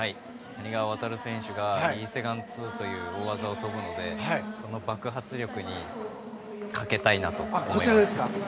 谷川航選手がリ・セグァン２という大技を飛ぶのでその爆発力にかけたいなと思います。